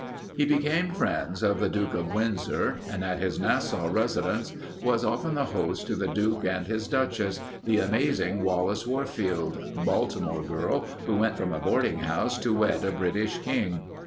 He became a friend of the Duke of Windsor and at his Nassau residence was often the host to the Duke and his Duchess, the amazing Wallis Warfield, Baltimore girl who went from a boarding house to wed a British king.